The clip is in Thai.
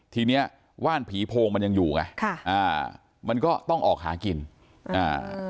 ทีเนี้ยว่านผีโพงมันยังอยู่ไงค่ะอ่ามันก็ต้องออกหากินอ่า